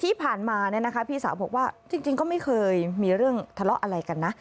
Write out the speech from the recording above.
ที่ผ่านมาพี่สาวบอกว่าจริงก็ไม่เคยมีเรื่องทะเลาะอะไรกันนะ